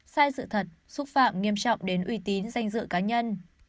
sai sự thật xúc phạm nghiêm trọng đến uy tín danh dự cá nhân